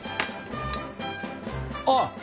あっ！